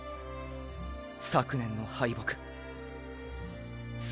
“昨年の敗北”ーー